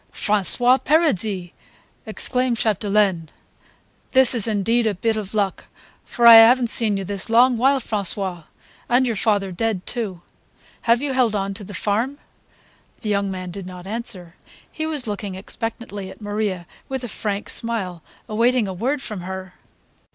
"François Paradis!" exclaimed Chapdelaine. "This is indeed a bit of luck, for I haven't seen you this long while, François. And your father dead too. Have you held on to the farm?" The young man did not answer; he was looking expectantly at Maria with a frank smile, awaiting a word from her.